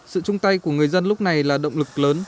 sự chung tay của người dân lúc này là động lực lớn